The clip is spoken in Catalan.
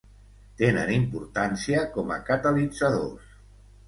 Tenen importància com a catalitzadors.